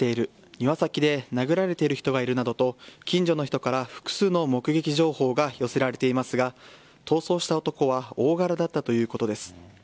庭先で殴られている人がいるなどと近所の人から複数の目撃情報が寄せられていますが逃走した男は大柄だったということです。